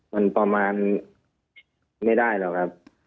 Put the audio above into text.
มันประมาณไม่ได้หรอกครับ